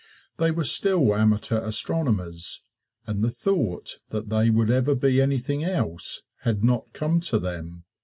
They were still amateur astronomers, and the thought that they would ever be anything else had not come to them.